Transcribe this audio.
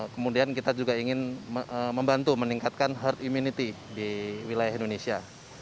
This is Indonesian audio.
kemudian kita juga ingin membantu meningkatkan herd immunity di wilayah indonesia